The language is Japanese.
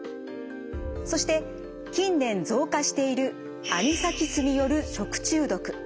そして近年増加しているアニサキスによる食中毒。